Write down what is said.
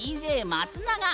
ＤＪ松永号！